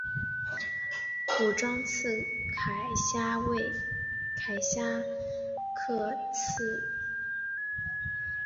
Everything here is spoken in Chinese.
武装刺铠虾为铠甲虾科刺铠虾属下的一个种。